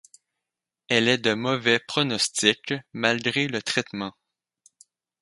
Elle est de mauvais pronostic malgré le traitement.